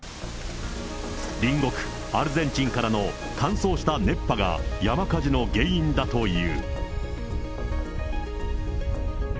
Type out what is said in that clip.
隣国アルゼンチンからの乾燥した熱波が、山火事の原因だという。